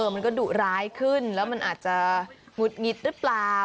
มันก็ดุร้ายขึ้นแล้วมันอาจจะหงุดหงิดหรือเปล่า